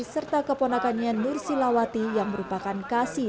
serta keponakannya nur silawati yang merupakan kasih